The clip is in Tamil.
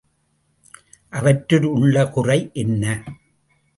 அவற்றில் உள்ள குறை என்ன?